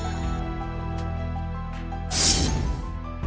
โรคกล้ามเนื้ออ้อม